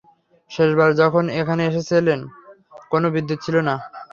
শেষবার যখন এখানে এসেছিলাম, কোনো বিদ্যুৎ ছিল না।